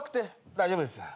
大丈夫です。